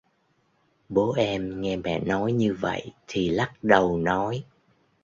Bố em nghe mẹ nói như vậy thì lắc đầu nói